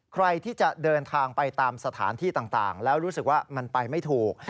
ใครที่จะเดินทางไปตามสถานที่ต่างแล้วรู้สึกว่ามันไปไม่ถูก